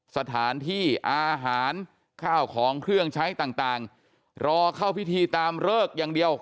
สถานที่อาหารข้าวของเครื่องใช้ต่างรอเข้าพิธีตามเลิกอย่างเดียว